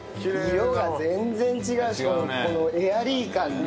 色が全然違うしこのエアリー感ね。